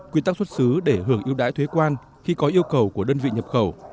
quy tắc xuất xứ để hưởng ưu đãi thuế quan khi có yêu cầu của đơn vị nhập khẩu